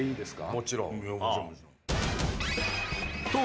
もちろん。